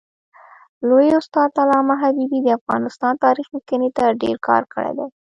لوی استاد علامه حبیبي د افغانستان تاریخ لیکني ته ډېر کار کړی دی.